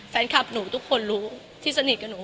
แฟนคลับหนูทุกคนรู้ที่สนิทกับหนู